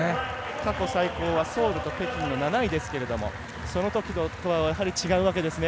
過去最高はソウルと北京の７位ですけれどもそのときとはやはり違うわけですね？